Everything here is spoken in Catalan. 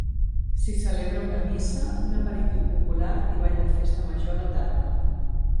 S'hi celebra una missa, un aperitiu popular i ball de Festa Major a la tarda.